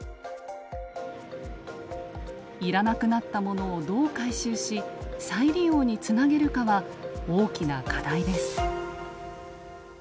要らなくなったものをどう回収し再利用につなげるかは大きな課題です。